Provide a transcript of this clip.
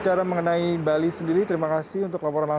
catrista dan a shock israel yang masuk ke adalah